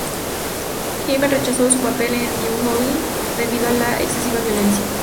Haven rechazó su papel en "The Howling" debido a la excesiva violencia.